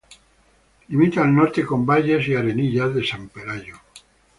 Limita al norte con Valles y Arenillas de San Pelayo.